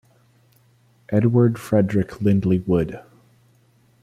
Edward Frederick Lindley Wood.